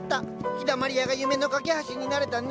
陽だまり屋が夢の懸け橋になれたね。